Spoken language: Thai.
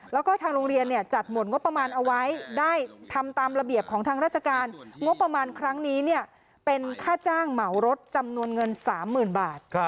แล้วก็ทางโรงเรียนจัดหมดงบประมาณเอาไว้ได้ทำตามระเบียบของทางราชการงบประมาณครั้งนี้เป็นค่าจ้างเหมารถจำนวนเงิน๓๐๐๐บาท